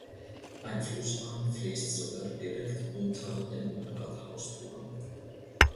Ein Flussarm fließt sogar direkt unter dem Rathausturm.